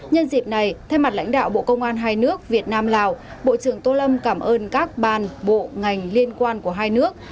nhân dịp này thay mặt lãnh đạo bộ công an hai nước việt nam lào bộ trưởng tô lâm cảm ơn các bàn bộ ngành liên quan của hai nước